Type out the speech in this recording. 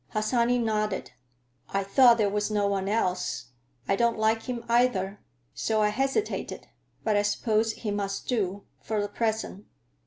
Harsanyi nodded. "I thought there was no one else. I don't like him, either, so I hesitated. But I suppose he must do, for the present."